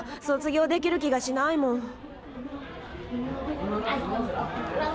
卒業できる気がしないもん。